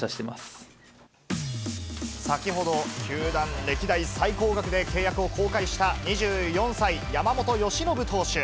先ほど、球団歴代最高額で契約を更改した２４歳、山本由伸投手。